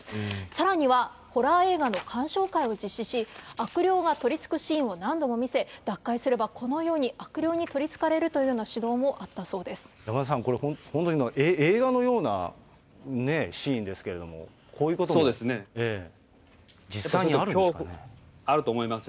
さらにはホラー映画の鑑賞会を実施し、悪霊が取り付くシーンを何度も見せ、脱会すればこのように悪霊にとりつかれるというような指導もあっ山田さん、これ、本当に映画のようなシーンですけれども、こういうことを、実際にあると思います。